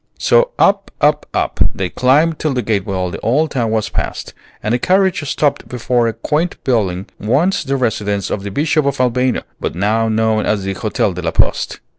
So up, up, up, they climbed till the gateway of the old town was passed, and the carriage stopped before a quaint building once the residence of the Bishop of Albano, but now known as the Hôtel de la Poste.